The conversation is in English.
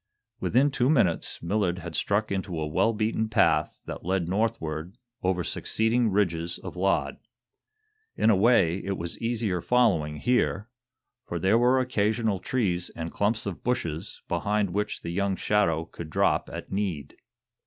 Within two minutes Millard had struck into a well beaten path that led northward over succeeding ridges of laud. In a way, it was easier following here, for there were occasional trees and clumps of bushes behind which the young shadow could drop at need.